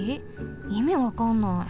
いみわかんない。